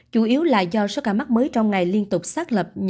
chủ yếu là do số ca mắc mới trong ngày liên tục xác lập